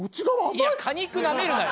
いや果肉なめるなよ！